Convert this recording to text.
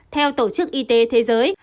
theo tổ chức y tế thế giới